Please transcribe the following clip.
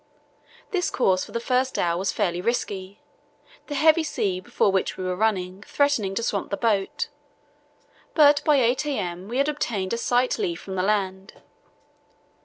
This course for the first hour was fairly risky, the heavy sea before which we were running threatening to swamp the boat, but by 8 a.m. we had obtained a slight lee from the land.